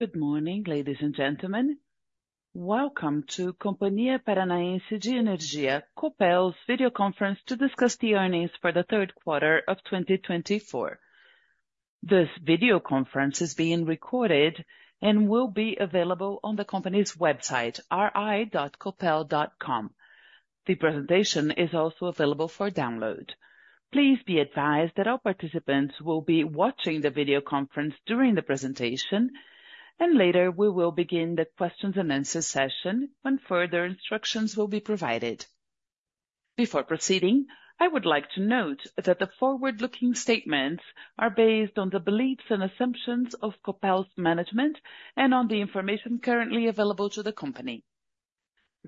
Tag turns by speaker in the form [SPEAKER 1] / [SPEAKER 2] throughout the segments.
[SPEAKER 1] Good morning, ladies and gentlemen. Welcome to Companhia Paranaense de Energia - Copel's video conference to discuss the earnings for the third quarter of 2024. This video conference is being recorded and will be available on the company's website, ri.copel.com. The presentation is also available for download. Please be advised that our participants will be watching the video conference during the presentation, and later we will begin the questions and answers session when further instructions will be provided. Before proceeding, I would like to note that the forward-looking statements are based on the beliefs and assumptions of Copel's management and on the information currently available to the company.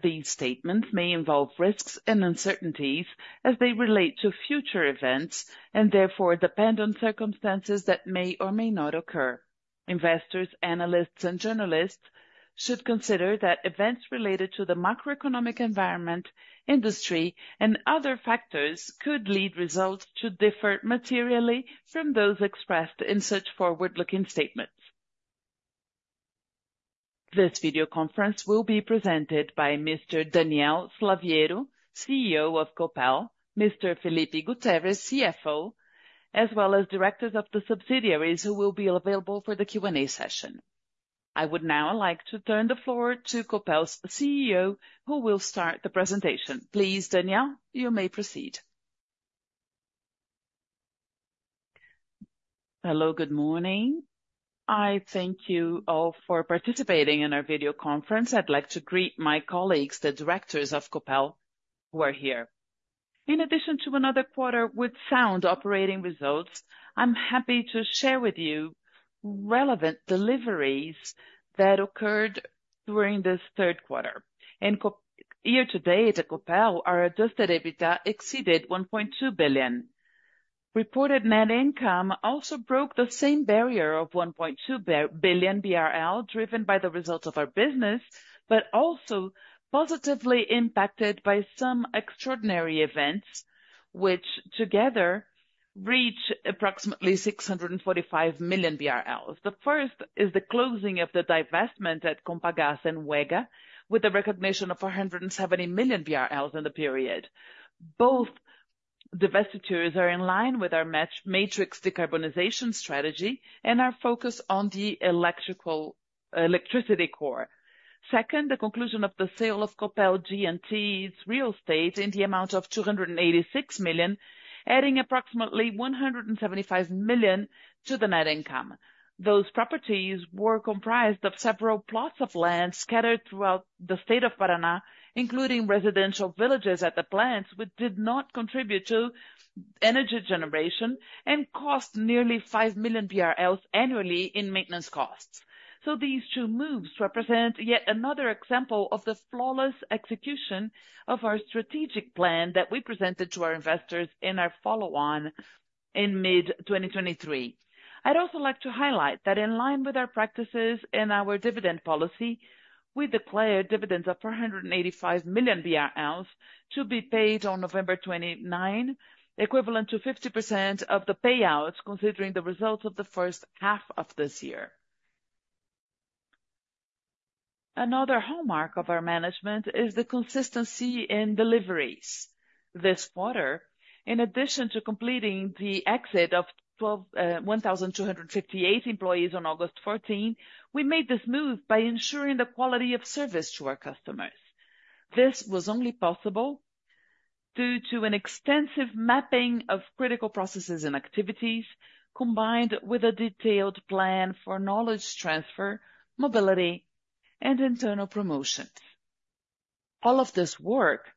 [SPEAKER 1] These statements may involve risks and uncertainties as they relate to future events and therefore depend on circumstances that may or may not occur. Investors, analysts, and journalists should consider that events related to the macroeconomic environment, industry, and other factors could lead results to differ materially from those expressed in such forward-looking statements. This video conference will be presented by Mr. Daniel Slaviero, CEO of Copel, Mr. Felipe Gutterres, CFO, as well as directors of the subsidiaries who will be available for the Q&A session. I would now like to turn the floor to Copel's CEO, who will start the presentation. Please, Daniel, you may proceed.
[SPEAKER 2] Hello, good morning. I thank you all for participating in our video conference. I'd like to greet my colleagues, the directors of Copel, who are here. In addition to another quarter with sound operating results, I'm happy to share with you relevant deliveries that occurred during this third quarter. In year-to-date at Copel, our Adjusted EBITDA exceeded 1.2 billion. Reported net income also broke the same barrier of 1.2 billion BRL, driven by the results of our business, but also positively impacted by some extraordinary events, which together reach approximately 645 million BRL. The first is the closing of the divestment at Compagas and UEG Araucária, with the recognition of 170 million BRL in the period. Both divestitures are in line with our matrix decarbonization strategy and our focus on the electricity core. Second, the conclusion of the sale of Copel G&T's real estate in the amount of 286 million, adding approximately 175 million to the net income. Those properties were comprised of several plots of land scattered throughout the state of Paraná, including residential villages at the plants, which did not contribute to energy generation and cost nearly 5 million BRL annually in maintenance costs. So these two moves represent yet another example of the flawless execution of our strategic plan that we presented to our investors in our follow-on in mid-2023. I'd also like to highlight that in line with our practices and our dividend policy, we declared dividends of 485 million BRL to be paid on November 29, equivalent to 50% of the payouts, considering the results of the first half of this year. Another hallmark of our management is the consistency in deliveries. This quarter, in addition to completing the exit of 1,258 employees on August 14, we made this move by ensuring the quality of service to our customers. This was only possible due to an extensive mapping of critical processes and activities, combined with a detailed plan for knowledge transfer, mobility, and internal promotions. All of this work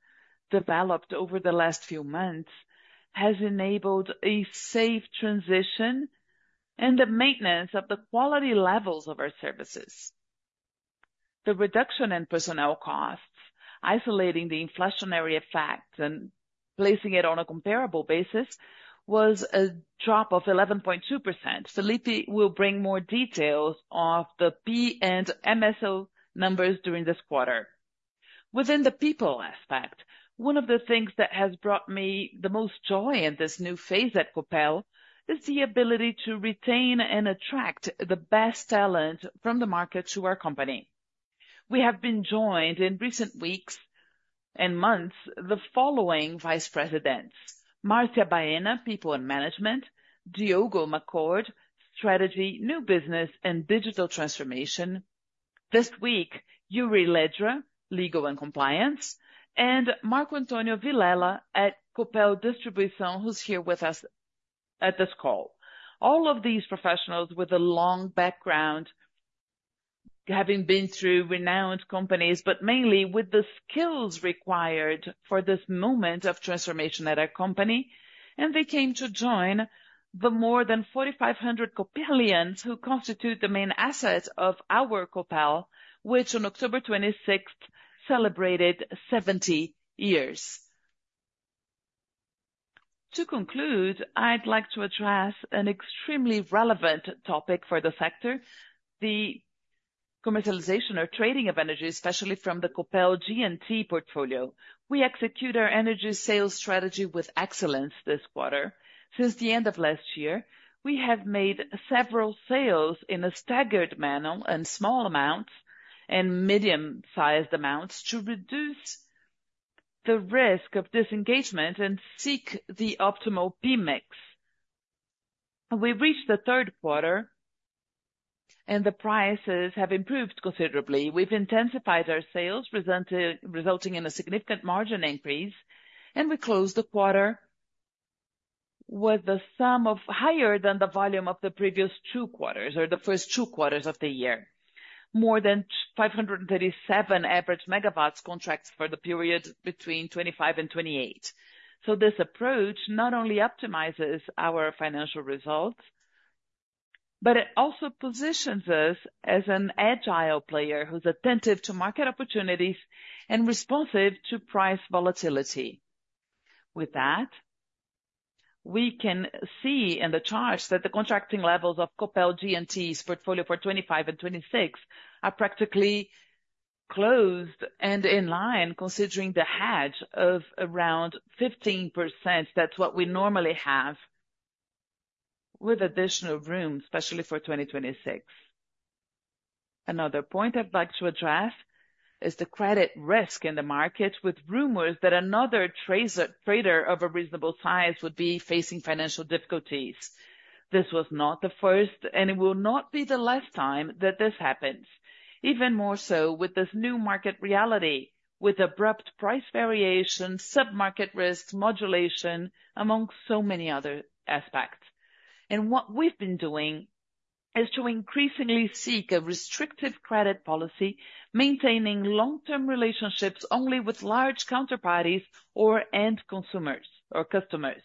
[SPEAKER 2] developed over the last few months has enabled a safe transition and the maintenance of the quality levels of our services. The reduction in personnel costs, isolating the inflationary effect and placing it on a comparable basis, was a drop of 11.2%. Felipe will bring more details of the PMSO numbers during this quarter. Within the people aspect, one of the things that has brought me the most joy in this new phase at Copel is the ability to retain and attract the best talent from the market to our company. We have been joined in recent weeks and months the following vice presidents: Márcia Baena, People and Management, Diogo McCord, Strategy, New Business, and Digital Transformation, this week, Yuri Ledra, Legal and Compliance, and Marco Antonio Villela at Copel Distribution, who's here with us at this call. All of these professionals, with a long background, having been through renowned companies, but mainly with the skills required for this moment of transformation at our company, and they came to join the more than 4,500 Copelians who constitute the main asset of our Copel, which on October 26th celebrated 70 years. To conclude, I'd like to address an extremely relevant topic for the sector: the commercialization or trading of energy, especially from the Copel G&T portfolio. We execute our energy sales strategy with excellence this quarter. Since the end of last year, we have made several sales in a staggered manner and small amounts and medium-sized amounts to reduce the risk of disengagement and seek the optimal PMIX. We reached the third quarter, and the prices have improved considerably. We've intensified our sales, resulting in a significant margin increase, and we closed the quarter with a sum higher than the volume of the previous two quarters or the first two quarters of the year, more than 537 average megawatts contracts for the period between 2025 and 2028, so this approach not only optimizes our financial results, but it also positions us as an agile player who's attentive to market opportunities and responsive to price volatility. With that, we can see in the charts that the contracting levels of Copel G&T's portfolio for 2025 and 2026 are practically closed and in line, considering the hedge of around 15%. That's what we normally have, with additional room, especially for 2026. Another point I'd like to address is the credit risk in the market, with rumors that another trader of a reasonable size would be facing financial difficulties. This was not the first, and it will not be the last time that this happens, even more so with this new market reality, with abrupt price variation, sub-market risk, modulation, among so many other aspects. What we've been doing is to increasingly seek a restrictive credit policy, maintaining long-term relationships only with large counterparties or end consumers or customers.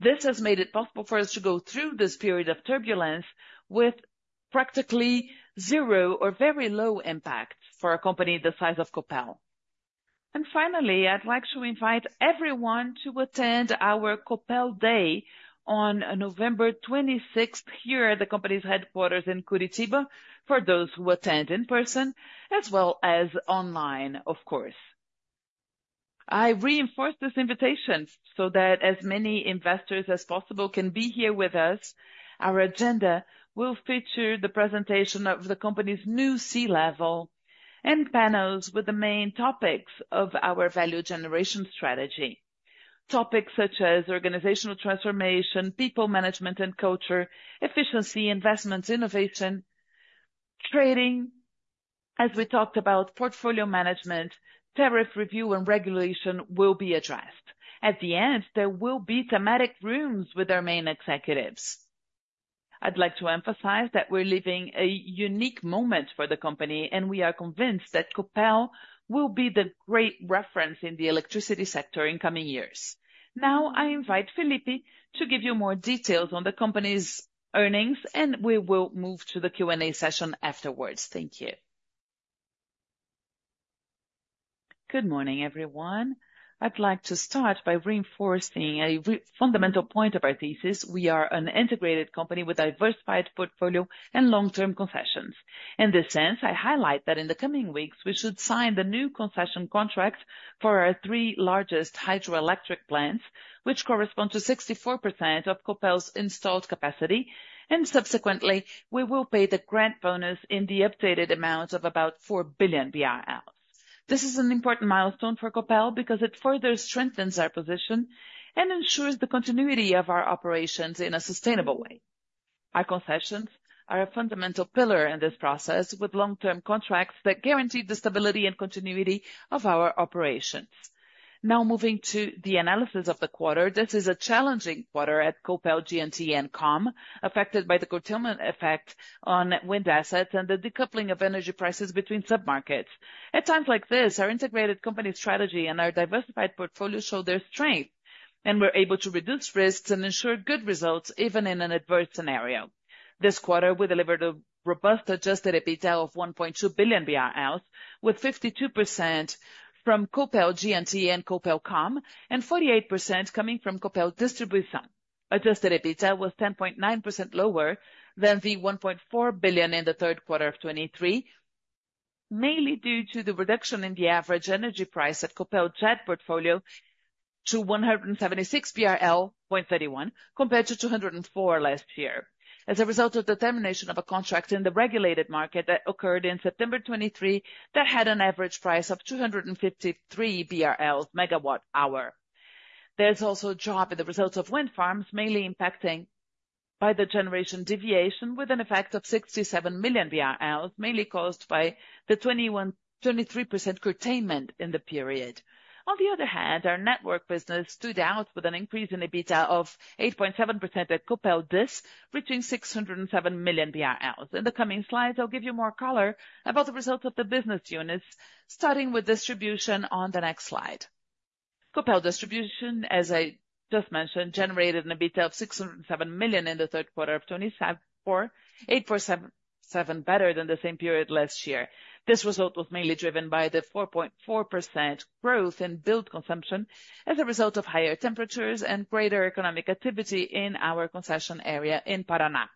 [SPEAKER 2] This has made it possible for us to go through this period of turbulence with practically zero or very low impact for a company the size of Copel. Finally, I'd like to invite everyone to attend our Copel Day on November 26th here at the company's headquarters in Curitiba, for those who attend in person, as well as online, of course. I reinforce this invitation so that as many investors as possible can be here with us. Our agenda will feature the presentation of the company's new C-level and panels with the main topics of our value generation strategy. Topics such as organizational transformation, people management and culture, efficiency, investments, innovation, trading, as we talked about, portfolio management, tariff review, and regulation will be addressed. At the end, there will be thematic rooms with our main executives. I'd like to emphasize that we're living a unique moment for the company, and we are convinced that Copel will be the great reference in the electricity sector in coming years. Now, I invite Felipe to give you more details on the company's earnings, and we will move to the Q&A session afterwards. Thank you.
[SPEAKER 3] Good morning, everyone. I'd like to start by reinforcing a fundamental point of our thesis. We are an integrated company with a diversified portfolio and long-term concessions. In this sense, I highlight that in the coming weeks, we should sign the new concession contracts for our three largest hydroelectric plants, which correspond to 64% of Copel's installed capacity, and subsequently, we will pay the grant bonus in the updated amount of about 4 billion BRL. This is an important milestone for Copel because it further strengthens our position and ensures the continuity of our operations in a sustainable way. Our concessions are a fundamental pillar in this process, with long-term contracts that guarantee the stability and continuity of our operations. Now, moving to the analysis of the quarter, this is a challenging quarter at Copel G&T and COM, affected by the curtailment effect on wind assets and the decoupling of energy prices between sub-markets. At times like this, our integrated company strategy and our diversified portfolio show their strength, and we're able to reduce risks and ensure good results even in an adverse scenario. This quarter, we delivered a robust Adjusted EBITDA of 1.2 billion BRL, with 52% from Copel G&T and Copel COM, and 48% coming from Copel Distribution. Adjusted EBITDA was 10.9% lower than the 1.4 billion BRL in the third quarter of 2023, mainly due to the reduction in the average energy price at Copel's G&T's portfolio to 176 BRL, compared to 204 BRL last year, as a result of the termination of a contract in the regulated market that occurred in September 2023 that had an average price of 253 BRL megawatt-hour. There's also a drop in the results of wind farms, mainly impacted by the generation deviation, with an effect of 67 million BRL, mainly caused by the 23% curtailment in the period. On the other hand, our network business stood out with an increase in EBITDA of 8.7% at Copel DIS, reaching 607 million BRL. In the coming slides, I'll give you more color about the results of the business units, starting with distribution on the next slide. Copel Distribution, as I just mentioned, generated an EBITDA of 607 million in the third quarter of 2024, 8.77% better than the same period last year. This result was mainly driven by the 4.4% growth in billed consumption as a result of higher temperatures and greater economic activity in our concession area in Paraná.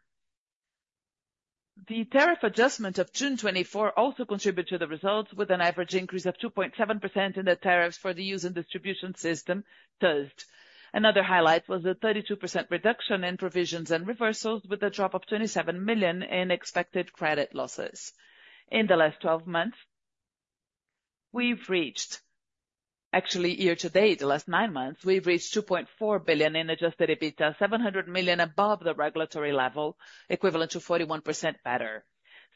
[SPEAKER 3] The tariff adjustment of June 2024 also contributed to the results, with an average increase of 2.7% in the tariffs for the use and distribution system TUSD. Another highlight was the 32% reduction in provisions and reversals, with a drop of 27 million in expected credit losses. In the last 12 months, we've reached, actually year-to-date, the last nine months, we've reached 2.4 billion in adjusted EBITDA, 700 million above the regulatory level, equivalent to 41% better.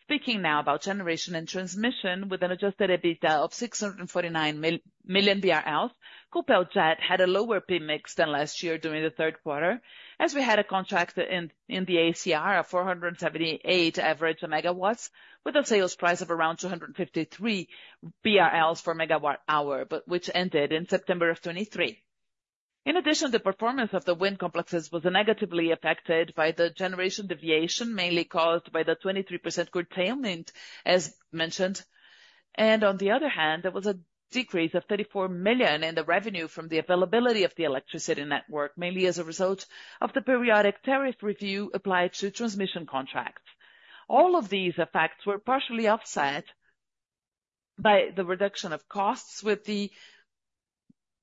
[SPEAKER 3] Speaking now about generation and transmission, with an adjusted EBITDA of 649 million BRL, Copel G&T had a lower PMIX than last year during the third quarter, as we had a contract in the ACR of 478 average megawatts, with a sales price of around 253 BRL per megawatt-hour, which ended in September of 2023. In addition, the performance of the wind complexes was negatively affected by the generation deviation, mainly caused by the 23% curtailment, as mentioned, and on the other hand, there was a decrease of 34 million BRL in the revenue from the availability of the electricity network, mainly as a result of the periodic tariff review applied to transmission contracts. All of these effects were partially offset by the reduction of costs with the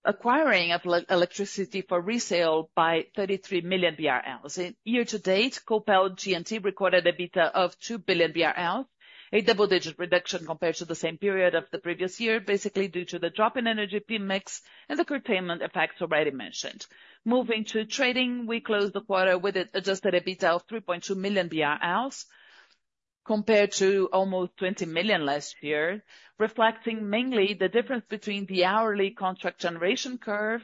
[SPEAKER 3] acquiring of electricity for resale by 33 million BRL. Year-to-date, Copel G&T recorded EBITDA of 2 billion BRL, a double-digit reduction compared to the same period of the previous year, basically due to the drop in energy PMIX and the curtailment effects already mentioned. Moving to trading, we closed the quarter with an adjusted EBITDA of 3.2 million BRL, compared to almost 20 million last year, reflecting mainly the difference between the hourly contract generation curve,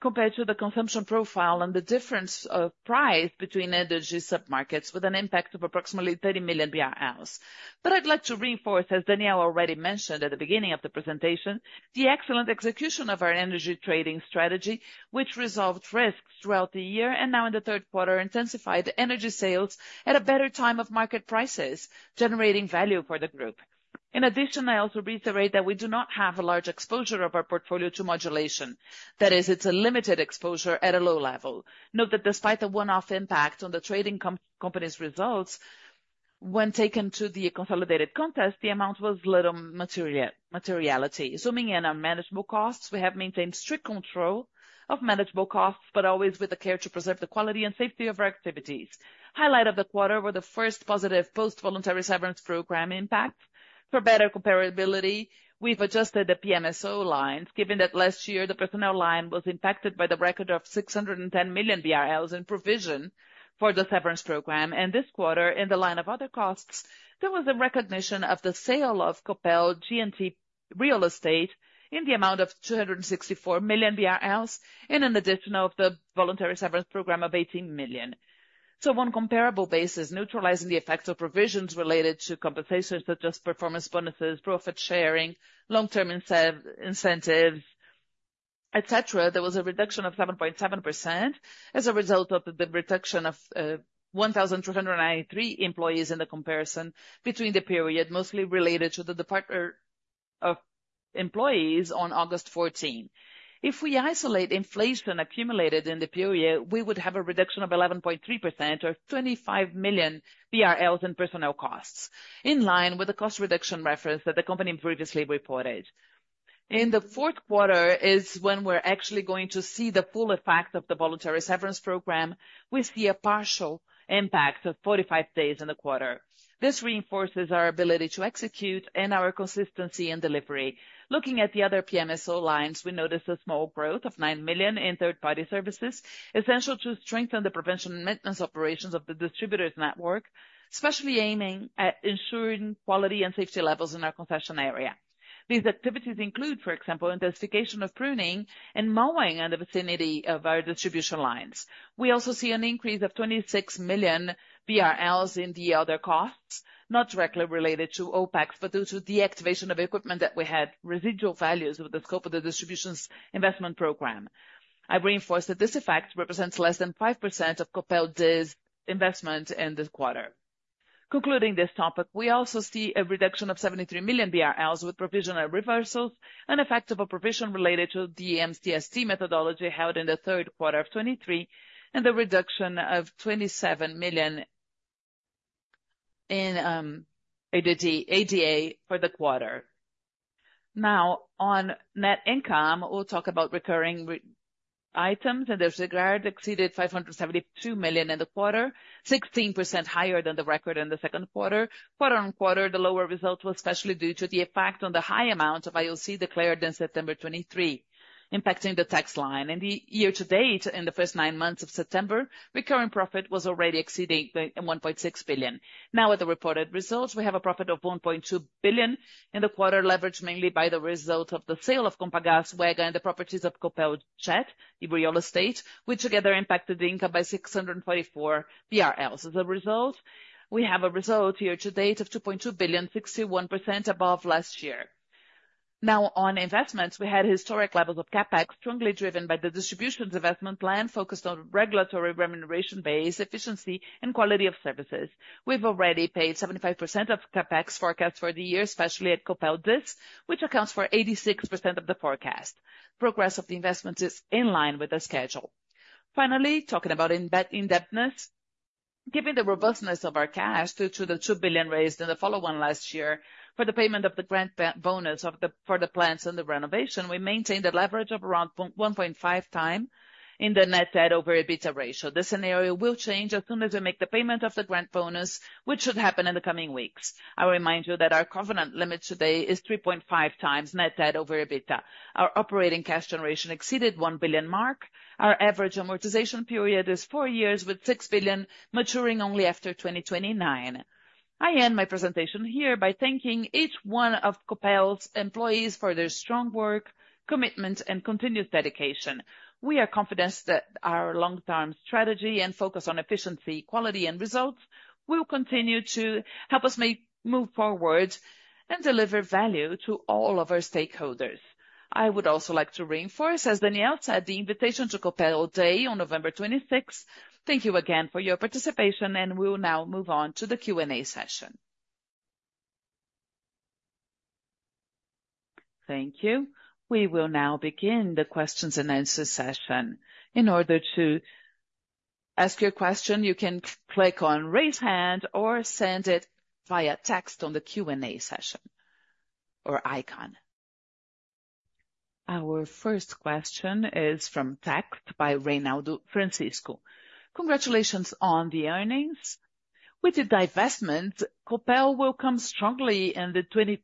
[SPEAKER 3] compared to the consumption profile, and the difference of price between energy sub-markets, with an impact of approximately 30 million BRL. But I'd like to reinforce, as Danielle already mentioned at the beginning of the presentation, the excellent execution of our energy trading strategy, which resolved risks throughout the year, and now in the third quarter, intensified energy sales at a better time of market prices, generating value for the group. In addition, I also reiterate that we do not have a large exposure of our portfolio to modulation. That is, it's a limited exposure at a low level. Note that despite the one-off impact on the trading company's results, when taken to the consolidated context, the amount was of little materiality. Zooming in on manageable costs, we have maintained strict control of manageable costs, but always with the care to preserve the quality and safety of our activities. The highlight of the quarter were the first positive post-voluntary severance program impacts. For better comparability, we've adjusted the PMSO lines, given that last year the personnel line was impacted by the recording of 610 million BRL in provision for the severance program. This quarter, in the line of other costs, there was a recognition of the sale of Copel G&T real estate in the amount of 264 million BRL, and an addition of the voluntary severance program of 18 million. On a comparable basis, neutralizing the effects of provisions related to compensations such as performance bonuses, profit sharing, long-term incentives, etc., there was a reduction of 7.7% as a result of the reduction of 1,293 employees in the comparison between the period, mostly related to the departure of employees on August 14. If we isolate inflation accumulated in the period, we would have a reduction of 11.3% or 25 million BRL in personnel costs, in line with the cost reduction reference that the company previously reported. In the fourth quarter is when we're actually going to see the full effect of the voluntary severance program. We see a partial impact of 45 days in the quarter. This reinforces our ability to execute and our consistency in delivery. Looking at the other PMSO lines, we noticed a small growth of 9 million in third-party services, essential to strengthen the prevention and maintenance operations of the distributor's network, especially aiming at ensuring quality and safety levels in our concession area. These activities include, for example, intensification of pruning and mowing in the vicinity of our distribution lines. We also see an increase of 26 million BRL in the other costs, not directly related to OPEX, but due to deactivation of equipment that we had residual values with the scope of the distribution's investment program. I reinforce that this effect represents less than 5% of Copel DIS investment in this quarter. Concluding this topic, we also see a reduction of 73 million BRL with provisional reversals, an effect of a provision related to the MCSD methodology held in the third quarter of 2023, and the reduction of 27 million in ADA for the quarter. Now, on net income, we'll talk about recurring items, and their CGR exceeded 572 million in the quarter, 16% higher than the record in the second quarter. Quarter on quarter, the lower result was especially due to the effect on the high amount of IOC declared in September 2023, impacting the tax line. In the year-to-date, in the first nine months of September, recurring profit was already exceeding 1.6 billion. Now, with the reported results, we have a profit of 1.2 billion BRL in the quarter, leveraged mainly by the result of the sale of Compagas and UEG Araucária and the properties of Copel G&T, a real estate, which together impacted the income by 644 BRL. As a result, we have a result year-to-date of 2.2 billion BRL, 61% above last year. Now, on investments, we had historic levels of CapEx, strongly driven by the distribution's investment plan focused on regulatory remuneration-based efficiency and quality of services. We've already paid 75% of CapEx forecast for the year, especially at Copel DIS, which accounts for 86% of the forecast. Progress of the investment is in line with the schedule. Finally, talking about indebtedness, given the robustness of our cash due to the 2 billion raised in the follow-on last year for the payment of the Grant Bonus for the plants and the renewal, we maintained a leverage of around 1.5 times in the net debt over EBITDA ratio. This scenario will change as soon as we make the payment of the Grant Bonus, which should happen in the coming weeks. I remind you that our covenant limit today is 3.5 times net debt over EBITDA. Our operating cash generation exceeded 1 billion mark. Our average amortization period is four years, with 6 billion maturing only after 2029. I end my presentation here by thanking each one of Copel's employees for their strong work, commitment, and continued dedication. We are confident that our long-term strategy and focus on efficiency, quality, and results will continue to help us move forward and deliver value to all of our stakeholders. I would also like to reinforce, as Daniel said, the invitation to Copel Day on November 26. Thank you again for your participation, and we will now move on to the Q&A session.
[SPEAKER 4] Thank you. We will now begin the questions and answers session. In order to ask your question, you can click on Raise Hand or send it via text on the Q&A session or icon. Our first question is from text by Reinaldo Francisco. Congratulations on the earnings. With the divestment, Copel will come strongly in the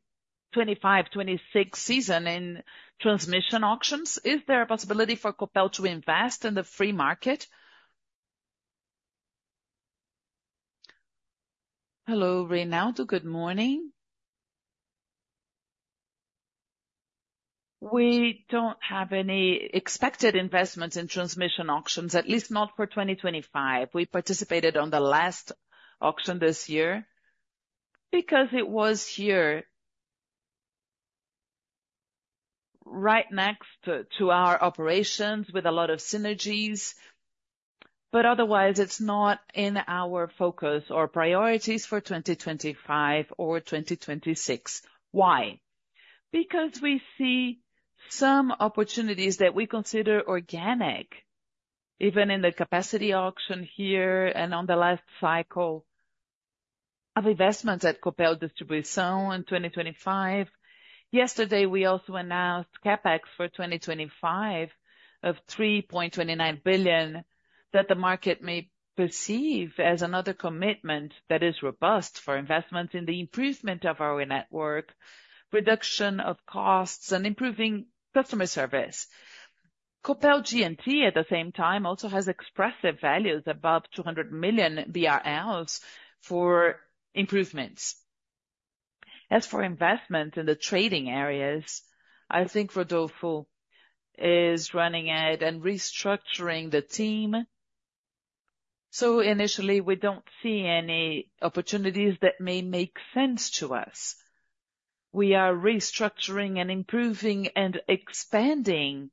[SPEAKER 4] 2025-26 season in transmission auctions. Is there a possibility for Copel to invest in the free market? Hello, Reinaldo. Good morning. We don't have any expected investments in transmission auctions, at least not for 2025. We participated in the last auction this year because it was here right next to our operations with a lot of synergies, but otherwise, it's not in our focus or priorities for 2025 or 2026. Why? Because we see some opportunities that we consider organic, even in the capacity auction here and on the last cycle of investments at Copel Distribution in 2025. Yesterday, we also announced CAPEX for 2025 of 3.29 billion that the market may perceive as another commitment that is robust for investments in the improvement of our network, reduction of costs, and improving customer service. Copel G&T, at the same time, also has expressive values above 200 million BRL for improvements.
[SPEAKER 3] As for investments in the trading areas, I think Rodolfo is running it and restructuring the team. Initially, we don't see any opportunities that may make sense to us. We are restructuring and improving and expanding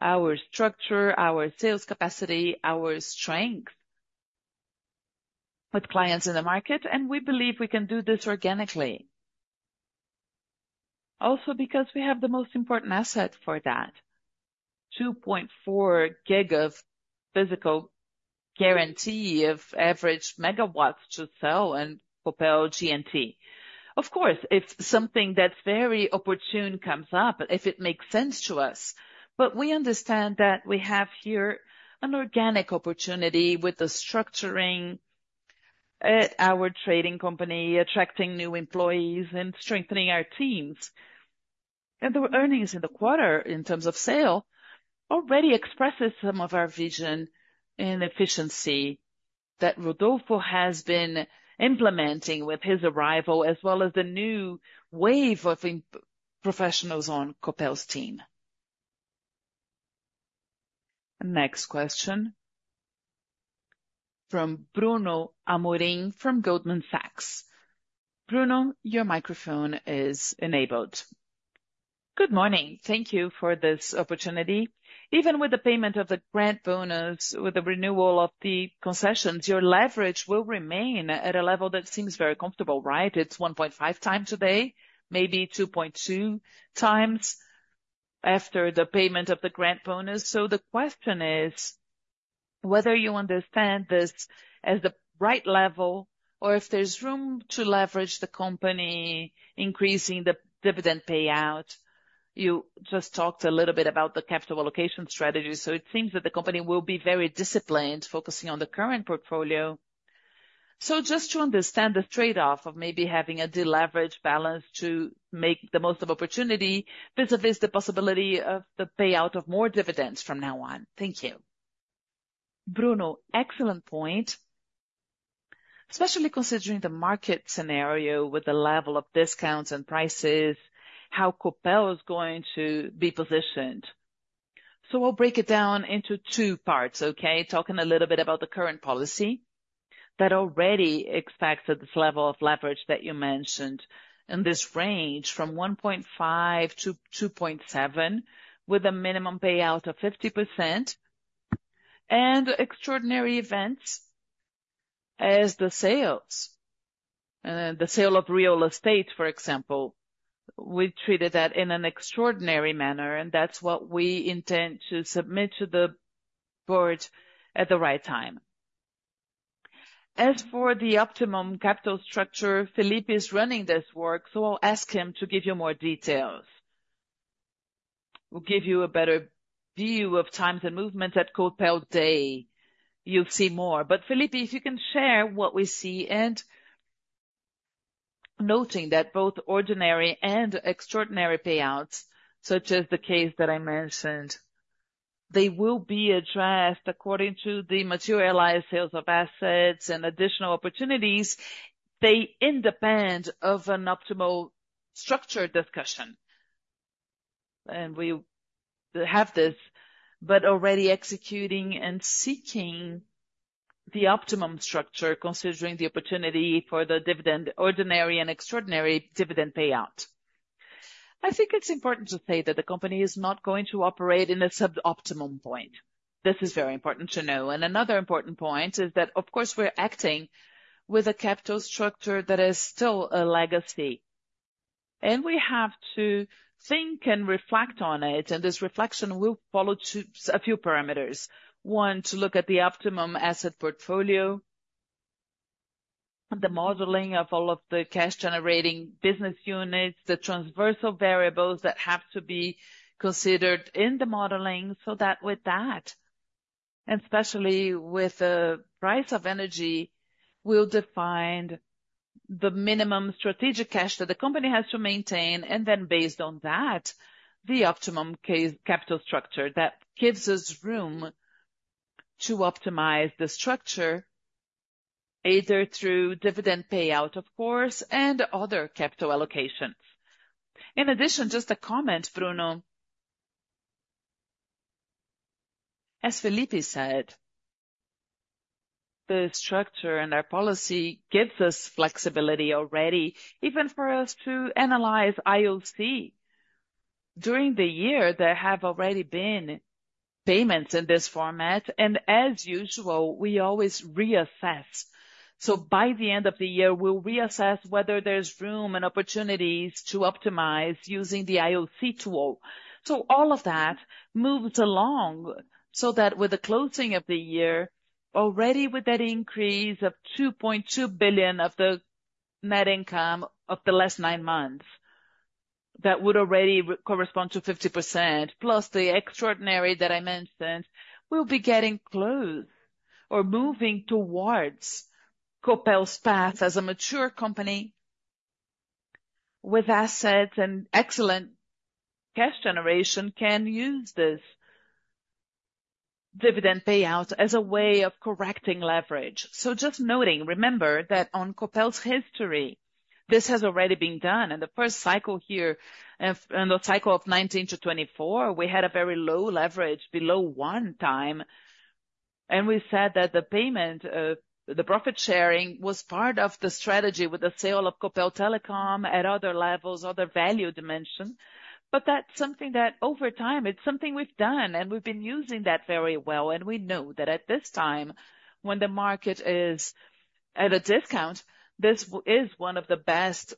[SPEAKER 3] our structure, our sales capacity, our strength with clients in the market, and we believe we can do this organically. Also because we have the most important asset for that, 2.4 gig of physical guarantee of average megawatts to sell in Copel G&T. Of course, if something that's very opportune comes up, if it makes sense to us, but we understand that we have here an organic opportunity with the structuring at our trading company, attracting new employees and strengthening our teams. And the earnings in the quarter in terms of sale already expresses some of our vision and efficiency that Rodolfo has been implementing with his arrival, as well as the new wave of professionals on Copel's team.
[SPEAKER 1] Next question from Bruno Amorim from Goldman Sachs. Bruno, your microphone is enabled. Good morning.
[SPEAKER 5] Thank you for this opportunity. Even with the payment of the Grant Bonus, with the renewal of the concessions, your leverage will remain at a level that seems very comfortable, right? It's 1.5 times today, maybe 2.2 times after the payment of the Grant Bonus. So the question is whether you understand this as the right level or if there's room to leverage the company increasing the dividend payout. You just talked a little bit about the capital allocation strategy, so it seems that the company will be very disciplined, focusing on the current portfolio. So just to understand the trade-off of maybe having a deleveraged balance to make the most of opportunity vis-à-vis the possibility of the payout of more dividends from now on. Thank you.
[SPEAKER 2] Bruno, excellent point, especially considering the market scenario with the level of discounts and prices, how Copel is going to be positioned. So I'll break it down into two parts, okay? Talking a little bit about the current policy that already expects at this level of leverage that you mentioned in this range from 1.5-2.7, with a minimum payout of 50%, and extraordinary events as the sales, the sale of real estate, for example. We treated that in an extraordinary manner, and that's what we intend to submit to the board at the right time. As for the optimum capital structure, Felipe is running this work, so I'll ask him to give you more details. We'll give you a better view of times and movements at Copel Day. You'll see more. But Felipe, if you can share what we see.
[SPEAKER 3] And noting that both ordinary and extraordinary payouts, such as the case that I mentioned, they will be addressed according to the materialized sales of assets and additional opportunities. They independent of an optimal structure discussion. And we have this, but already executing and seeking the optimum structure, considering the opportunity for the ordinary and extraordinary dividend payout. I think it's important to say that the company is not going to operate in a suboptimal point. This is very important to know. And another important point is that, of course, we're acting with a capital structure that is still a legacy, and we have to think and reflect on it. And this reflection will follow a few parameters. One, to look at the optimum asset portfolio, the modeling of all of the cash-generating business units, the transversal variables that have to be considered in the modeling, so that with that, and especially with the price of energy, we'll define the minimum strategic cash that the company has to maintain, and then based on that, the optimum capital structure that gives us room to optimize the structure either through dividend payout, of course, and other capital allocations.
[SPEAKER 2] In addition, just a comment, Bruno. As Felipe said, the structure and our policy gives us flexibility already, even for us to analyze IOC. During the year, there have already been payments in this format, and as usual, we always reassess. So by the end of the year, we'll reassess whether there's room and opportunities to optimize using the IOC tool. So, all of that moves along so that with the closing of the year, already with that increase of 2.2 billion of the net income of the last nine months that would already correspond to 50%, plus the extraordinary that I mentioned, we'll be getting close or moving towards Copel's path as a mature company with assets and excellent cash generation can use this dividend payout as a way of correcting leverage. So, just noting, remember that on Copel's history, this has already been done. In the first cycle here, in the cycle of 2019 to 2024, we had a very low leverage, below one time, and we said that the payment, the profit sharing was part of the strategy with the sale of Copel Telecom at other levels, other value dimensions, but that's something that over time, it's something we've done, and we've been using that very well, and we know that at this time, when the market is at a discount, this is one of the best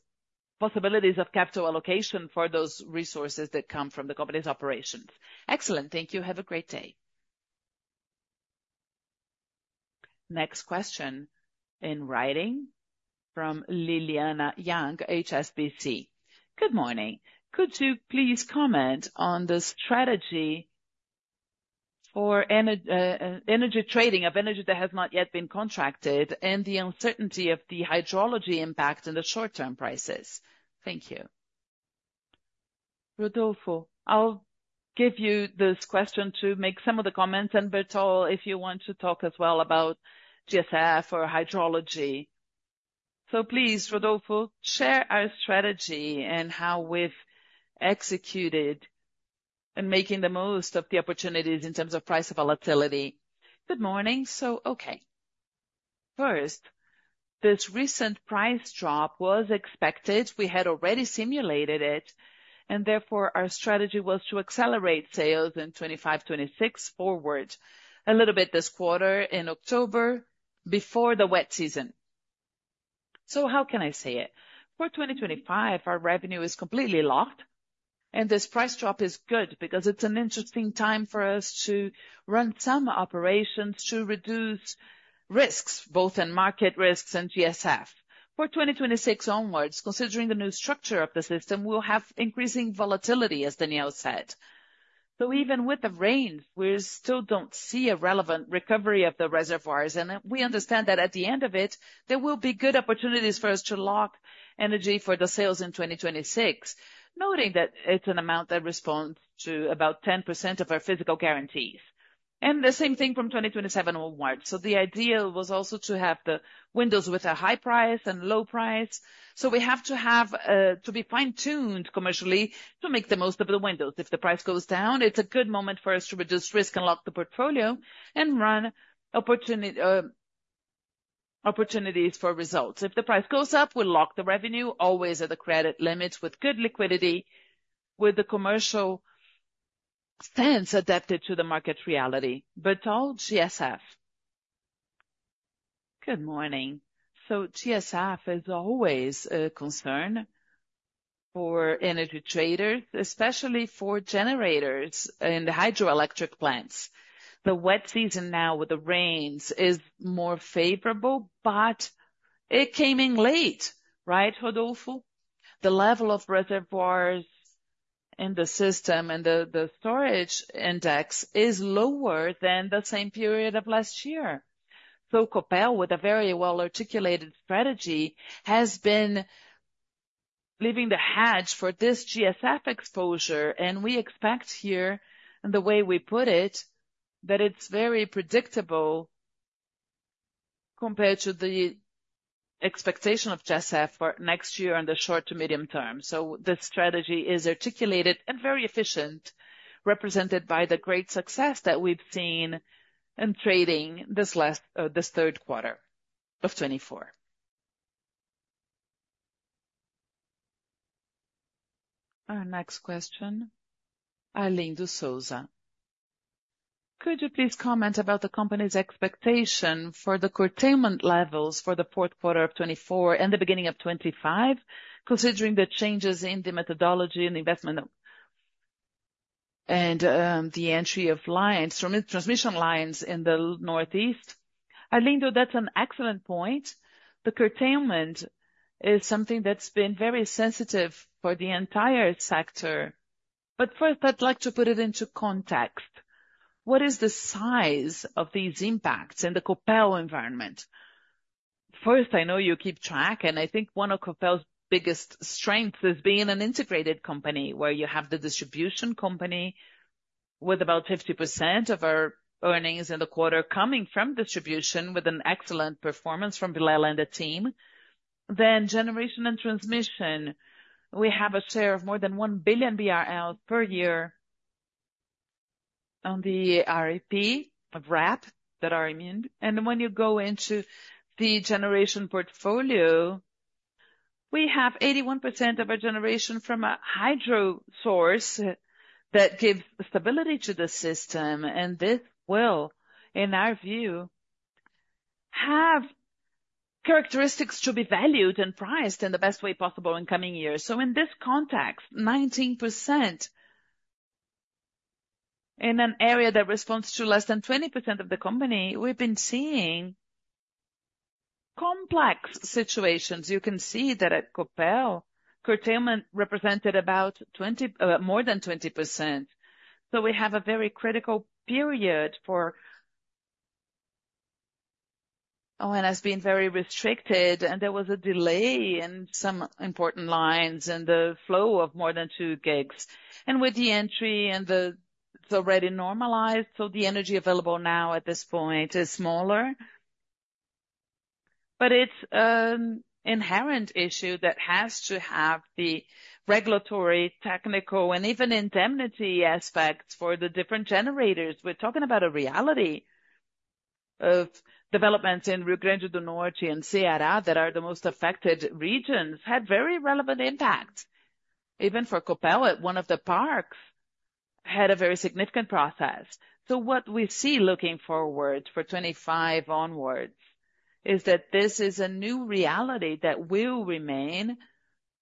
[SPEAKER 2] possibilities of capital allocation for those resources that come from the company's operations.
[SPEAKER 5] Excellent. Thank you. Have a great day.
[SPEAKER 1] Next question in writing from Lilyanna Yang, HSBC.
[SPEAKER 6] Good morning. Could you please comment on the strategy for energy trading of energy that has not yet been contracted and the uncertainty of the hydrology impact in the short-term prices? Thank you.
[SPEAKER 2] Rodolfo, I'll give you this question to make some of the comments, and Bertol, if you want to talk as well about GSF or hydrology. So please, Rodolfo, share our strategy and how we've executed and making the most of the opportunities in terms of price volatility.
[SPEAKER 7] Good morning. So, okay. First, this recent price drop was expected. We had already simulated it, and therefore our strategy was to accelerate sales in 2025, 2026 forward a little bit this quarter in October before the wet season. So how can I say it? For 2025, our revenue is completely locked, and this price drop is good because it's an interesting time for us to run some operations to reduce risks, both in market risks and GSF. For 2026 onwards, considering the new structure of the system, we'll have increasing volatility, as Daniel said. So even with the rains, we still don't see a relevant recovery of the reservoirs, and we understand that at the end of it, there will be good opportunities for us to lock energy for the sales in 2026, noting that it's an amount that responds to about 10% of our physical guarantees. And the same thing from 2027 onwards. So the idea was also to have the windows with a high price and low price. So we have to be fine-tuned commercially to make the most of the windows. If the price goes down, it's a good moment for us to reduce risk and lock the portfolio and run opportunities for results. If the price goes up, we'll lock the revenue, always at the credit limits with good liquidity, with the commercial sense adapted to the market reality.
[SPEAKER 2] Bertol, GSF. Good morning.
[SPEAKER 8] GSF is always a concern for energy traders, especially for generators in the hydroelectric plants. The wet season now with the rains is more favorable, but it came in late, right, Rodolfo? The level of reservoirs in the system and the storage index is lower than the same period of last year. Copel, with a very well-articulated strategy, has been leaving the hedge for this GSF exposure, and we expect here, and the way we put it, that it's very predictable compared to the expectation of GSF for next year in the short to medium term. The strategy is articulated and very efficient, represented by the great success that we've seen in trading this last third quarter of 2024.
[SPEAKER 1] Our next question, Eileen D'Souza.
[SPEAKER 9] Could you please comment about the company's expectation for the curtailment levels for the fourth quarter of 2024 and the beginning of 2025, considering the changes in the methodology and investment and the entry of lines, transmission lines in the Northeast? Eileen, that's an excellent point. The curtailment is something that's been very sensitive for the entire sector, but first, I'd like to put it into context. What is the size of these impacts in the Copel environment?
[SPEAKER 8] First, I know you keep track, and I think one of Copel's biggest strengths is being an integrated company where you have the distribution company with about 50% of our earnings in the quarter coming from distribution with an excellent performance from the Villela team. Then generation and transmission, we have a share of more than one billion BRL per year on the RAP of RAP that are immune. When you go into the generation portfolio, we have 81% of our generation from a hydro source that gives stability to the system, and this will, in our view, have characteristics to be valued and priced in the best way possible in coming years. In this context, 19% in an area that responds to less than 20% of the company, we've been seeing complex situations. You can see that at Copel, curtailment represented about more than 20%. We have a very critical period for ONS, and has been very restricted, and there was a delay in some important lines and the flow of more than two GW. With the entry and the, it's already normalized, so the energy available now at this point is smaller, but it's an inherent issue that has to have the regulatory, technical, and even indemnity aspects for the different generators. We're talking about a reality of developments in Rio Grande do Norte and Ceará that are the most affected regions, had very relevant impacts. Even for Copel, one of the parks had a very significant process. So what we see looking forward for 2025 onwards is that this is a new reality that will remain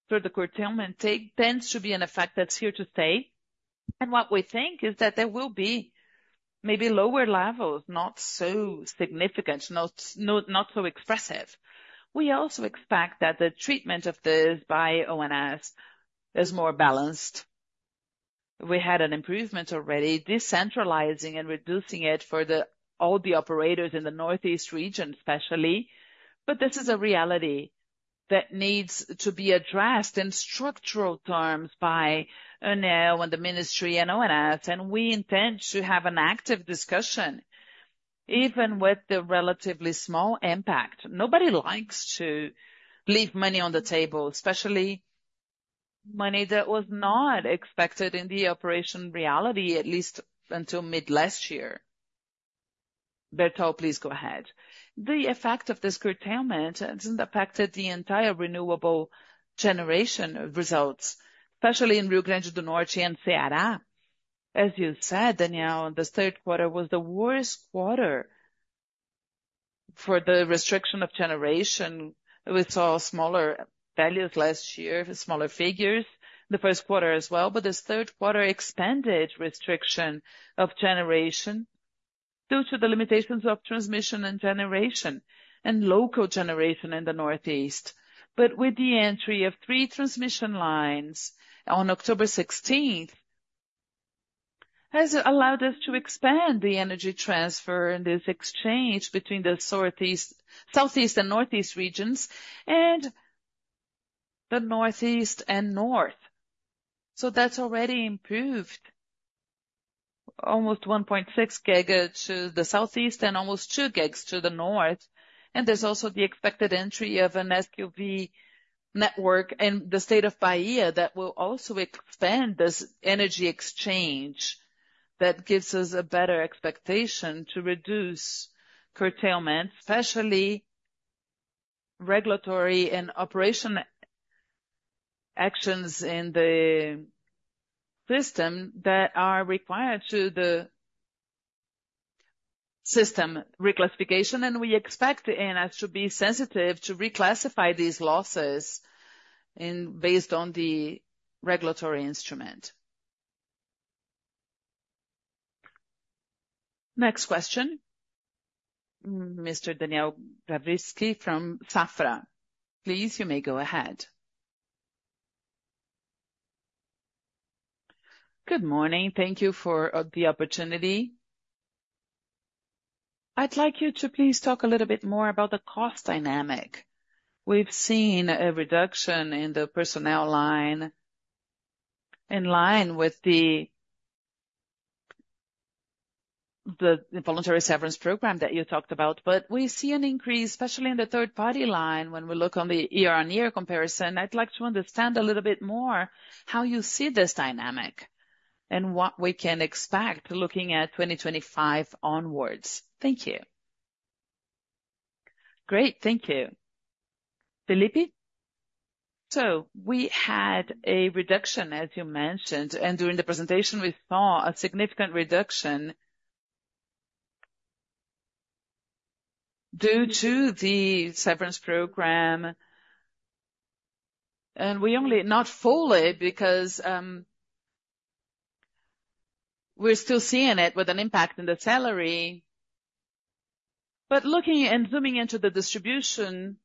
[SPEAKER 8] through the curtailment tends to be an effect that's here to stay. What we think is that there will be maybe lower levels, not so significant, not so expressive. We also expect that the treatment of this by ONS is more balanced. We had an improvement already, decentralizing and reducing it for all the operators in the northeast region, especially, but this is a reality that needs to be addressed in structural terms by ANEEL and the ministry and ONS, and we intend to have an active discussion even with the relatively small impact. Nobody likes to leave money on the table, especially money that was not expected in the operation reality, at least until mid-last year. Bertol, please go ahead. The effect of this curtailment hasn't affected the entire renewable generation results, especially in Rio Grande do Norte and Ceará. As you said, Daniel, this third quarter was the worst quarter for the restriction of generation. We saw smaller values last year, smaller figures the first quarter as well, but this third quarter expanded restriction of generation due to the limitations of transmission and generation and local generation in the Northeast. But with the entry of three transmission lines on October 16th, has allowed us to expand the energy transfer and this exchange between the Southeast and Northeast regions and the Northeast and North. So that's already improved, almost 1.6 gig to the Southeast and almost two gigs to the North. And there's also the expected entry of an SVC network in the state of Bahia that will also expand this energy exchange that gives us a better expectation to reduce curtailment, especially regulatory and operational actions in the system that are required for the system reclassification. And we expect ANEEL to be sensitive to reclassify these losses based on the regulatory instrument.
[SPEAKER 1] Next question, Mr. Daniel Travitzky from Safra. Please, you may go ahead.
[SPEAKER 10] Good morning. Thank you for the opportunity. I'd like you to please talk a little bit more about the cost dynamic. We've seen a reduction in the personnel line in line with the voluntary severance program that you talked about, but we see an increase, especially in the third-party line when we look on the year-on-year comparison.
[SPEAKER 1] I'd like to understand a little bit more how you see this dynamic and what we can expect looking at 2025 onward. Thank you. Great. Thank you.
[SPEAKER 2] Felipe?
[SPEAKER 3] So we had a reduction, as you mentioned, and during the presentation, we saw a significant reduction due to the severance program. And we only not fully because we're still seeing it with an impact in the salary. But looking and zooming into the distribution,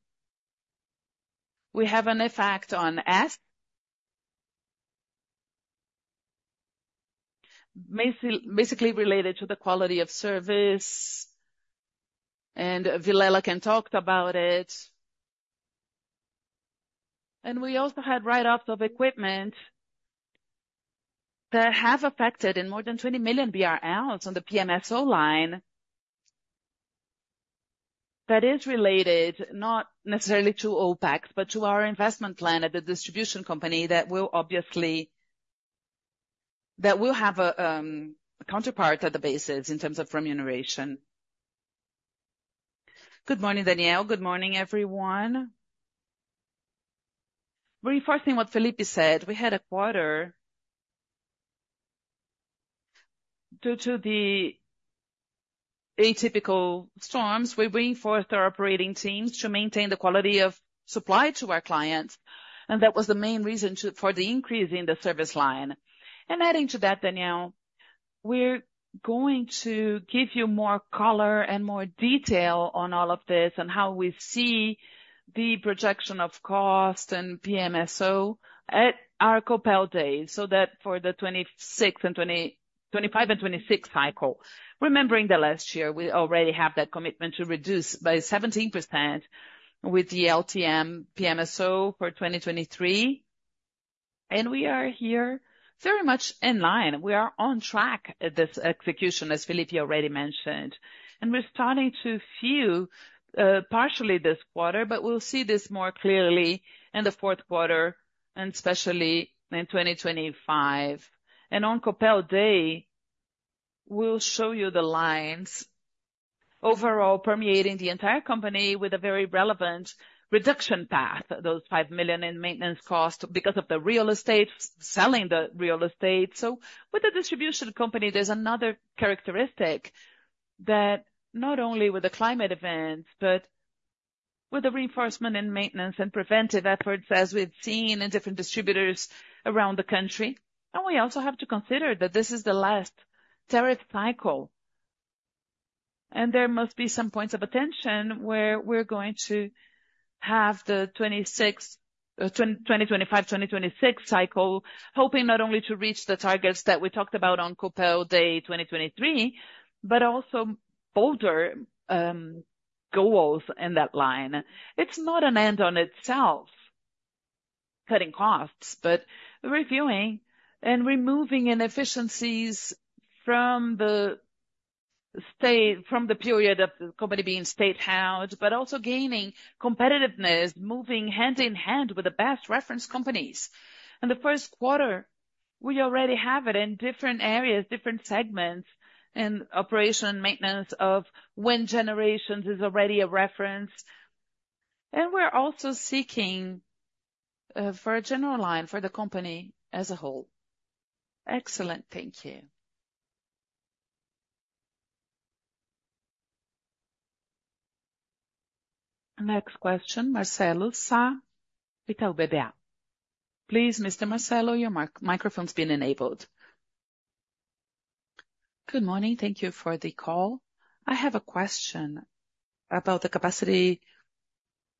[SPEAKER 3] we have an effect on S, basically related to the quality of service, and Villela can talk about it. And we also had write-ups of equipment that have affected in more than 20 million BRL on the PMSO line that is related not necessarily to OPEX, but to our investment plan at the distribution company that will obviously have a counterpart at the basis in terms of remuneration.
[SPEAKER 8] Good morning, Daniel. Good morning, everyone.
[SPEAKER 1] Reinforcing what Felipe said, we had a quarter due to the atypical storms. We reinforced our operating teams to maintain the quality of supply to our clients, and that was the main reason for the increase in the service line, and adding to that, Danielle, we're going to give you more color and more detail on all of this and how we see the projection of cost and PMSO at our Copel days for the 2026 and 2025 and 2026 cycle. Remembering the last year, we already have that commitment to reduce by 17% with the LTM PMSO for 2023, and we are here very much in line. We are on track at this execution, as Felipe already mentioned, and we're starting to feel partially this quarter, but we'll see this more clearly in the fourth quarter, and especially in 2025. On Copel Day, we'll show you the lines overall permeating the entire company with a very relevant reduction path, those 5 million in maintenance cost because of the real estate, selling the real estate. So with the distribution company, there's another characteristic that not only with the climate events, but with the reinforcement and maintenance and preventive efforts as we've seen in different distributors around the country. We also have to consider that this is the last tariff cycle. There must be some points of attention where we're going to have the 2025-2026 cycle, hoping not only to reach the targets that we talked about on Copel Day 2023, but also bolder goals in that line. It's not an end on itself, cutting costs, but reviewing and removing inefficiencies from the period of the company being state-owned, but also gaining competitiveness, moving hand in hand with the best reference companies. And the first quarter, we already have it in different areas, different segments and operation maintenance of wind generations is already a reference. And we're also seeking for a general line for the company as a whole.
[SPEAKER 10] Excellent. Thank you.
[SPEAKER 1] Next question, Marcelo Sá. Please, Mr. Marcelo, your microphone's been enabled.
[SPEAKER 11] Good morning. Thank you for the call. I have a question about the Capacity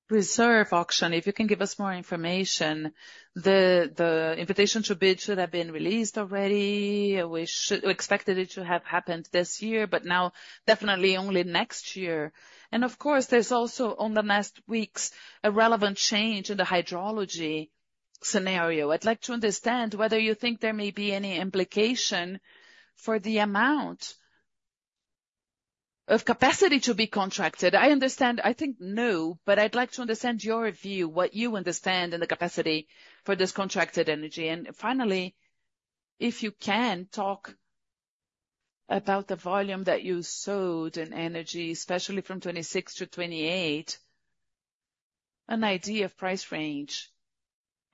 [SPEAKER 11] Reserve Auction. If you can give us more information, the invitation to bid should have been released already. We expected it to have happened this year, but now definitely only next year. And of course, there's also on the next weeks, a relevant change in the hydrology scenario. I'd like to understand whether you think there may be any implication for the amount of capacity to be contracted. I understand, I think no, but I'd like to understand your view, what you understand in the capacity for this contracted energy. Finally, if you can talk about the volume that you sold in energy, especially from 2026 to 2028, an idea of price range,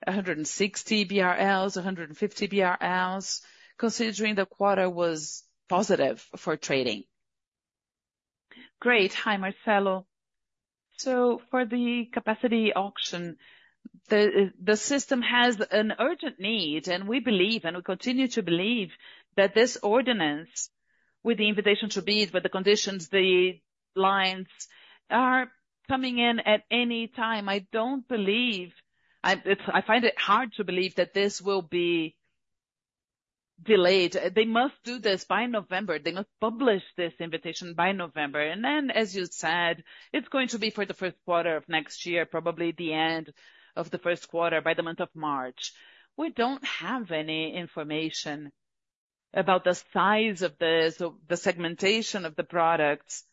[SPEAKER 11] 150 BRL-160 BRL, considering the quarter was positive for trading.
[SPEAKER 2] Great. Hi, Marcelo. So for the capacity auction, the system has an urgent need, and we believe, and we continue to believe that this ordinance with the invitation to bid, with the conditions, the lines are coming in at any time. I don't believe I find it hard to believe that this will be delayed. They must do this by November. They must publish this invitation by November. And then, as you said, it's going to be for the first quarter of next year, probably the end of the first quarter by the month of March. We don't have any information about the size of the segmentation of the products,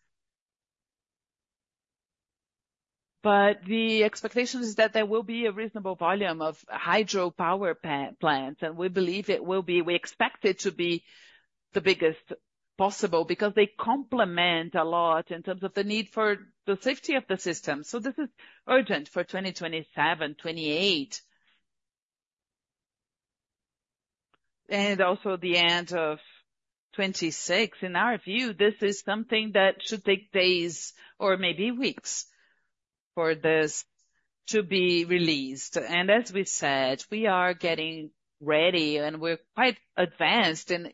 [SPEAKER 2] but the expectation is that there will be a reasonable volume of hydro power plants. And we believe it will be. We expect it to be the biggest possible because they complement a lot in terms of the need for the safety of the system. So this is urgent for 2027, 2028, and also the end of 2026. In our view, this is something that should take days or maybe weeks for this to be released. And as we said, we are getting ready, and we're quite advanced in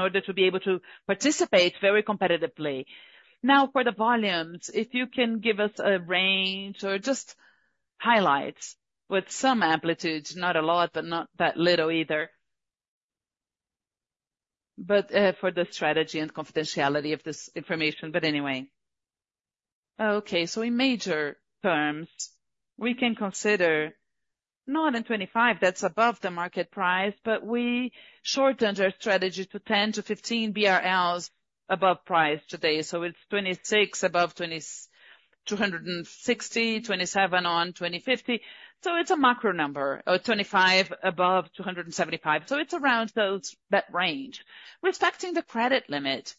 [SPEAKER 2] order to be able to participate very competitively. Now, for the volumes, if you can give us a range or just highlights with some amplitude, not a lot, but not that little either, but for the strategy and confidentiality of this information. But anyway, okay, so in major terms, we can consider not in 2025, that's above the market price, but we shortened our strategy to 10-15 BRL above price today. So it's 2026 above 260, 2027 on 2050. So it's a macro number, 2025 above 275. So it's around that range. Respecting the credit limit,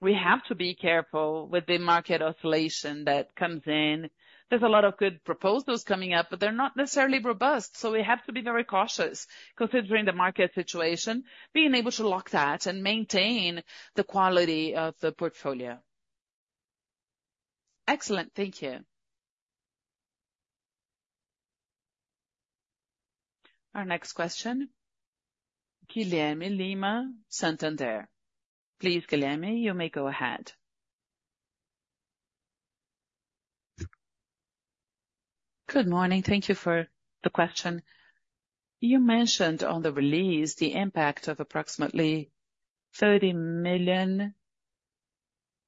[SPEAKER 2] we have to be careful with the market oscillation that comes in. There's a lot of good proposals coming up, but they're not necessarily robust. So we have to be very cautious considering the market situation, being able to lock that and maintain the quality of the portfolio. Excellent.
[SPEAKER 11] Thank you.
[SPEAKER 1] Our next question, Guilherme Lima, Santander.
[SPEAKER 12] Please, Guilherme, you may go ahead. Good morning. Thank you for the question. You mentioned on the release the impact of approximately 30 million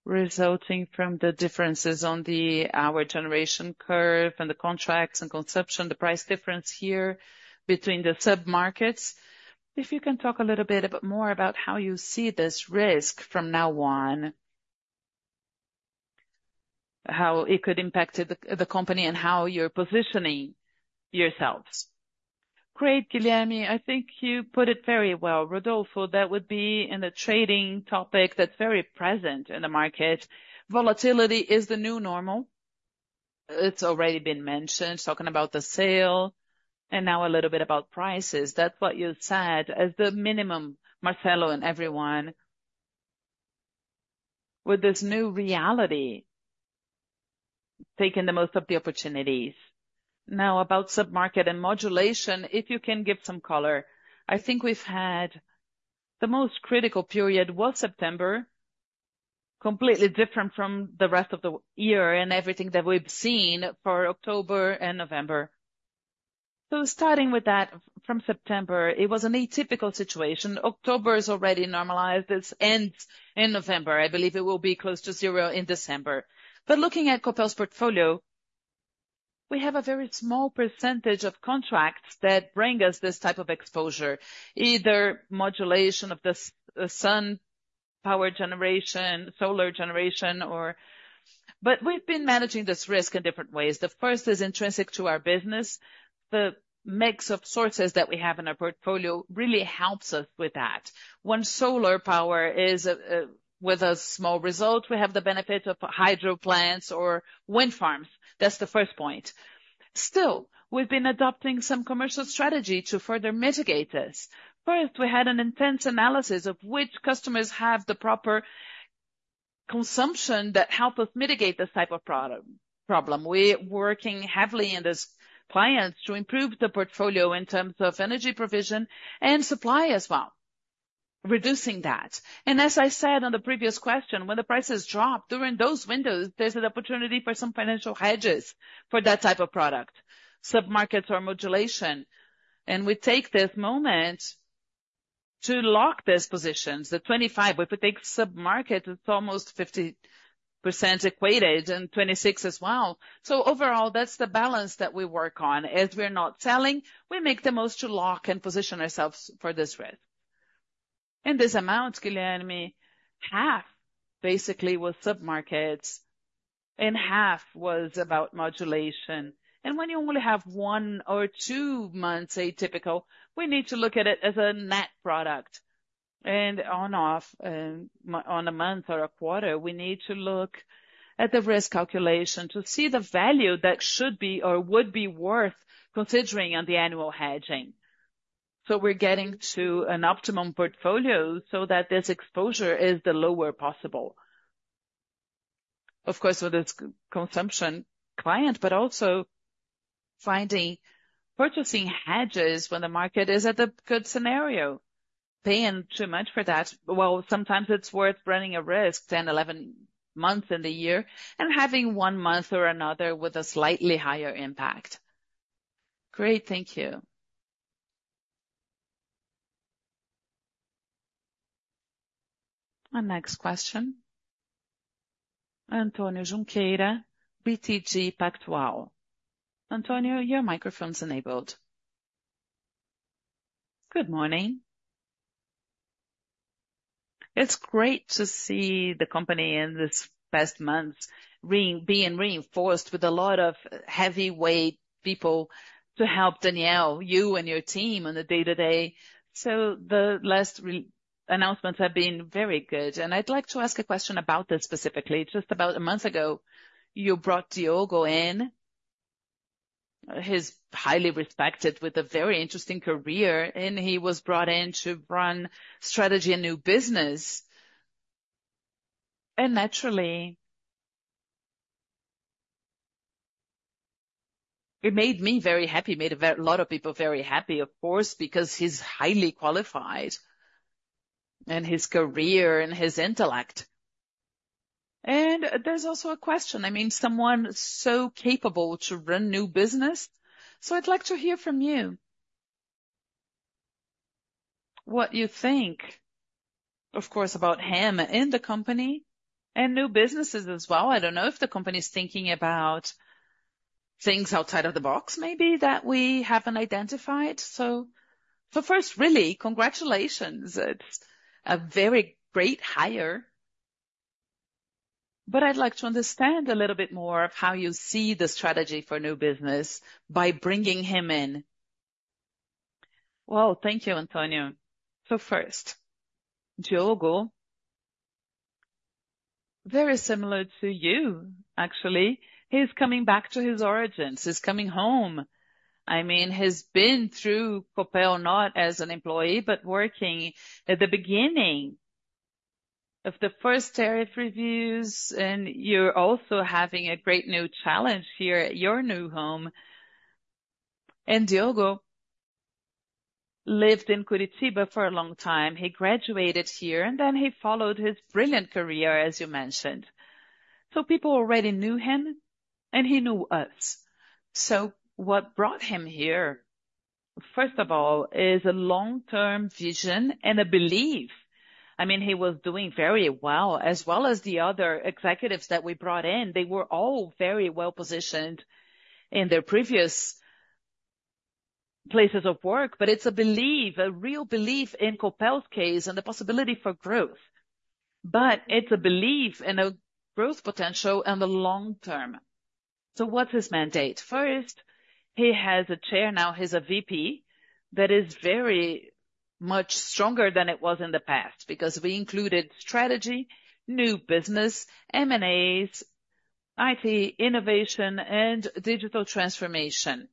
[SPEAKER 12] resulting from the differences on our generation curve and the contracts and concessions, the price difference here between the sub-markets. If you can talk a little bit more about how you see this risk from now on, how it could impact the company and how you're positioning yourselves.
[SPEAKER 8] Great, Guilherme. I think you put it very well. Rodolfo, that would be in the trading topic that's very present in the market. Volatility is the new normal. It's already been mentioned, talking about the sale and now a little bit about prices. That's what you said as the minimum, Marcelo and everyone, with this new reality making the most of the opportunities. Now, about sub-market and modulation, if you can give some color, I think we've had the most critical period was September, completely different from the rest of the year and everything that we've seen for October and November. So starting with that, from September, it was an atypical situation. October is already normalized. This ends in November. I believe it will be close to zero in December. But looking at Copel's portfolio, we have a very small percentage of contracts that bring us this type of exposure, either modulation of the solar power generation, solar generation, or but we've been managing this risk in different ways. The first is intrinsic to our business. The mix of sources that we have in our portfolio really helps us with that. When solar power is with a small result, we have the benefit of hydro plants or wind farms. That's the first point. Still, we've been adopting some commercial strategy to further mitigate this. First, we had an intense analysis of which customers have the proper consumption that help us mitigate this type of problem. We're working heavily in this clients to improve the portfolio in terms of energy provision and supply as well, reducing that. And as I said on the previous question, when the prices drop during those windows, there's an opportunity for some financial hedges for that type of product, sub-markets or modulation. And we take this moment to lock these positions. The 25, if we take sub-market, it's almost 50% equated and 26 as well. So overall, that's the balance that we work on. As we're not selling, we make the most to lock and position ourselves for this risk. And this amount, Guilherme, half basically was sub-markets and half was about modulation. And when you only have one or two months atypical, we need to look at it as a net product. And on a month or a quarter, we need to look at the risk calculation to see the value that should be or would be worth considering on the annual hedging. So we're getting to an optimum portfolio so that this exposure is the lower possible. Of course, with this consumption client, but also finding purchasing hedges when the market is at the good scenario, paying too much for that. Well, sometimes it's worth running a risk 10, 11 months in the year and having one month or another with a slightly higher impact.
[SPEAKER 12] Great. Thank you.
[SPEAKER 1] Our next question, Antonio Junqueira, BTG Pactual. Antonio, your microphone's enabled.
[SPEAKER 13] Good morning. It's great to see the company in this past months being reinforced with a lot of heavyweight people to help Daniel, you and your team on the day-to-day, so the last announcements have been very good, and I'd like to ask a question about this specifically. Just about a month ago, you brought Diogo in. He's highly respected with a very interesting career, and he was brought in to run strategy and new business, and naturally, it made me very happy, made a lot of people very happy, of course, because he's highly qualified in his career and his intellect, and there's also a question. I mean, someone so capable to run new business, so I'd like to hear from you what you think, of course, about him in the company and new businesses as well. I don't know if the company is thinking about things outside of the box, maybe that we haven't identified. First, really, congratulations. It's a very great hire. But I'd like to understand a little bit more of how you see the strategy for new business by bringing him in.
[SPEAKER 2] Well, thank you, Antonio. First, Diogo, very similar to you, actually. He's coming back to his origins. He's coming home. I mean, he's been through Copel not as an employee, but working at the beginning of the first tariff reviews. You're also having a great new challenge here at your new home. Diogo lived in Curitiba for a long time. He graduated here, and then he followed his brilliant career, as you mentioned. People already knew him, and he knew us. What brought him here, first of all, is a long-term vision and a belief. I mean, he was doing very well as well as the other executives that we brought in. They were all very well positioned in their previous places of work. But it's a belief, a real belief in Copel's case and the possibility for growth. But it's a belief and a growth potential in the long term. So what's his mandate? First, he has a chair. Now he's a VP that is very much stronger than it was in the past because we included strategy, new business, M&As, IT, innovation, and digital transformation.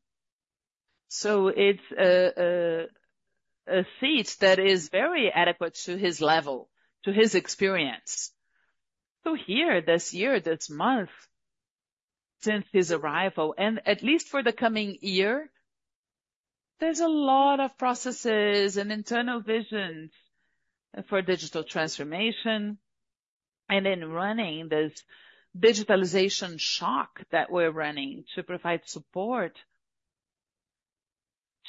[SPEAKER 2] So it's a seat that is very adequate to his level, to his experience. So here, this year, this month, since his arrival, and at least for the coming year, there's a lot of processes and internal visions for digital transformation. And in running this digitalization shock that we're running to provide support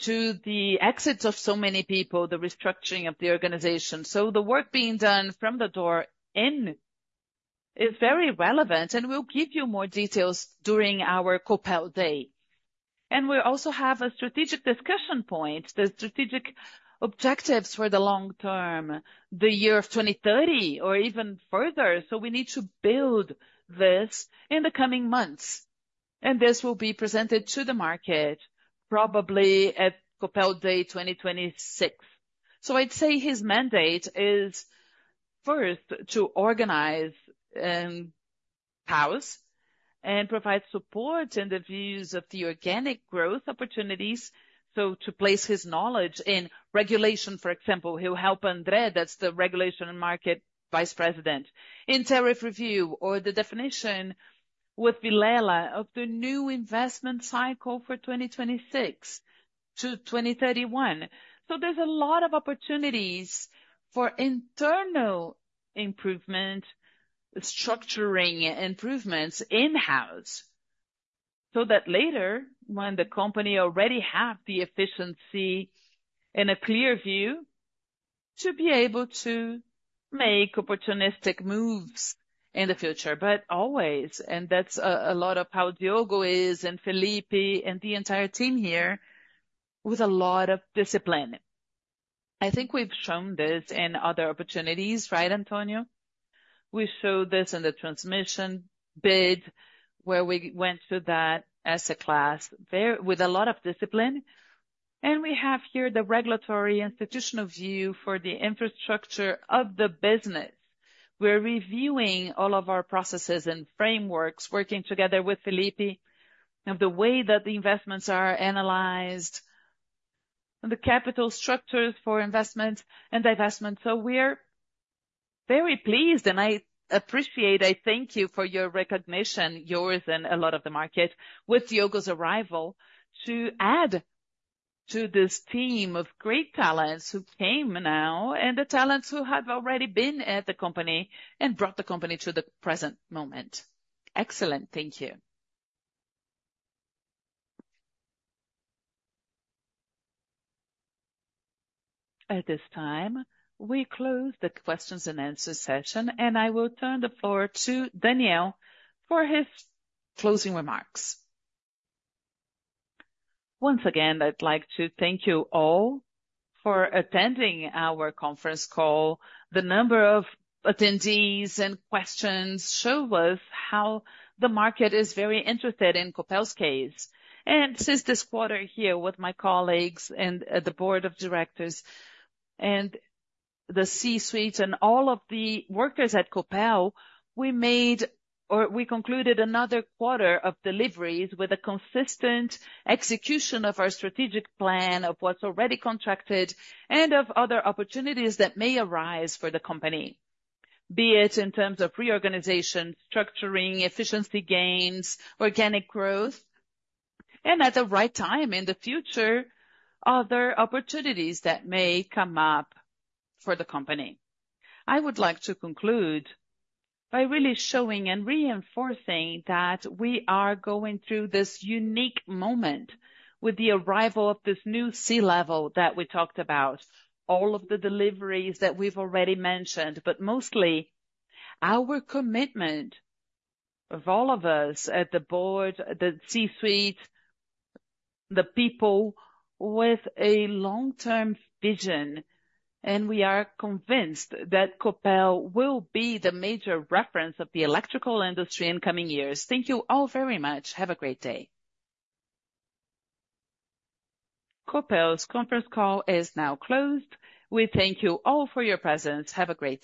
[SPEAKER 2] to the exits of so many people, the restructuring of the organization, so the work being done from the door in is very relevant, and we'll give you more details during our Copel Day. And we also have a strategic discussion point, the strategic objectives for the long term, the year of 2030 or even further, so we need to build this in the coming months. And this will be presented to the market probably at Copel Day 2026. So I'd say his mandate is first to organize and house and provide support and the views of the organic growth opportunities. So to place his knowledge in regulation, for example, he'll help André, that's the Regulation Market Vice President, in tariff review or the definition with Villela of the new investment cycle for 2026-2031. So there's a lot of opportunities for internal improvement, structuring improvements in-house so that later, when the company already has the efficiency and a clear view, to be able to make opportunistic moves in the future. But always, and that's a lot of how Diogo is and Felipe and the entire team here with a lot of discipline. I think we've shown this in other opportunities, right, Antonio? We showed this in the transmission bid where we went to that as a class with a lot of discipline. And we have here the regulatory institutional view for the infrastructure of the business. We're reviewing all of our processes and frameworks, working together with Felipe of the way that the investments are analyzed, the capital structures for investments and divestments. We're very pleased, and I appreciate. I thank you for your recognition, yours and a lot of the market with Diogo's arrival to add to this team of great talents who came now and the talents who have already been at the company and brought the company to the present moment.
[SPEAKER 13] Excellent. Thank you.
[SPEAKER 1] At this time, we close the questions and answers session, and I will turn the floor to Daniel for his closing remarks.
[SPEAKER 2] Once again, I'd like to thank you all for attending our conference call. The number of attendees and questions show us how the market is very interested in Copel's case. Since this quarter here with my colleagues and the board of directors and the C-suite and all of the workers at Copel, we made or we concluded another quarter of deliveries with a consistent execution of our strategic plan of what's already contracted and of other opportunities that may arise for the company, be it in terms of reorganization, structuring, efficiency gains, organic growth, and at the right time in the future, other opportunities that may come up for the company. I would like to conclude by really showing and reinforcing that we are going through this unique moment with the arrival of this new C-level that we talked about, all of the deliveries that we've already mentioned, but mostly our commitment of all of us at the board, the C-suite, the people with a long-term vision. We are convinced that Copel will be the major reference of the electrical industry in coming years. Thank you all very much. Have a great day.
[SPEAKER 1] Copel's conference call is now closed. We thank you all for your presence. Have a great.